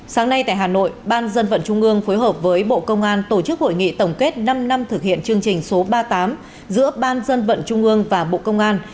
sáng nay tại hà nội ban dân vận trung ương phối hợp với bộ công an tổ chức hội nghị tổng kết năm năm thực hiện chương trình số ba mươi tám giữa ban dân vận trung ương và bộ công an